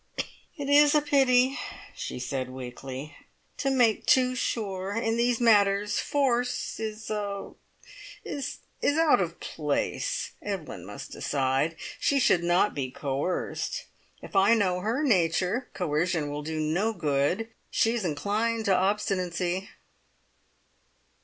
"It is a pity," she said weakly, "to make too sure! In these matters force is er is out of place. Evelyn must decide. She should not be coerced. If I know her nature, coercion will do no good. She is inclined to obstinacy."